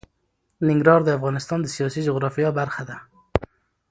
ننګرهار د افغانستان د سیاسي جغرافیه برخه ده.